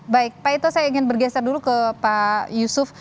baik pak ito saya ingin bergeser dulu ke pak yusuf